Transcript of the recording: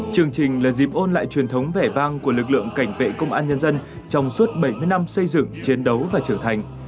chương trình là dịp ôn lại truyền thống vẻ vang của lực lượng cảnh vệ công an nhân dân trong suốt bảy mươi năm xây dựng chiến đấu và trưởng thành